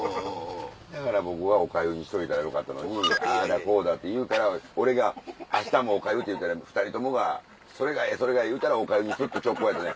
だから僕はお粥にしといたらよかったのにああだこうだって言うから俺があしたもお粥って言うたら２人ともがそれがええ言うたらお粥にスッと直行やったのに。